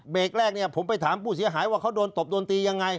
เบรกแรกผมไปถามผู้เสียหายว่าเค้าตบโดนตียังไง